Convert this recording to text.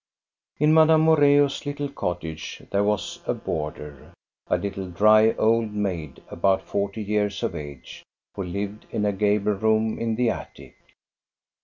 In Madame Moreus' little cottage there was a boarder, a little dry old maid, about forty years of age, who lived in a gable room in the attic.